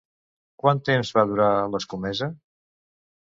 Quant temps va durar l'escomesa?